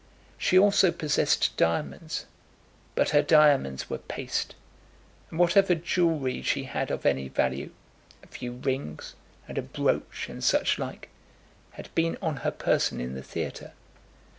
She also possessed diamonds, but her diamonds were paste; and whatever jewellery she had of any value, a few rings, and a brooch, and such like, had been on her person in the theatre.